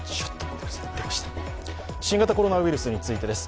新型コロナウイルスについてです。